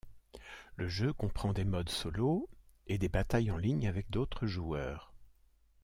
Le jeu comprend des modes solo et des batailles en ligne avec d'autres joueurs.